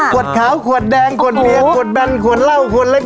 ขวดขาวขวดแดงขวดเบียร์กดดันขวดเหล้าขวดเล็ก